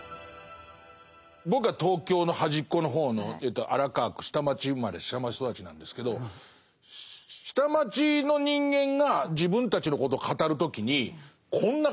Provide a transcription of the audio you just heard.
僕は東京の端っこの方の荒川区下町生まれ下町育ちなんですけど下町の人間が自分たちのことを語る時にこんな感じのこと言いますかね。